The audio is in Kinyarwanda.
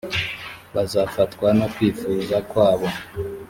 bazafatwa no kwifuza kwabo